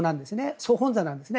総本山なんですね。